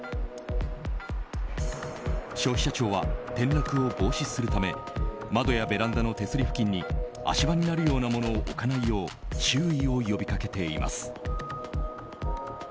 消費者庁は転落を防止するため窓やベランダの手すり付近に足場になるようなものを置かないよう注意を呼びかけています。